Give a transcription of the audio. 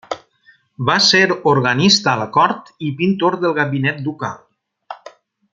Va ser organista a la cort i pintor del gabinet ducal.